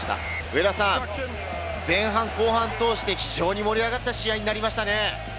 上田さん、前半、後半通して、非常に盛り上がった試合になりましたね。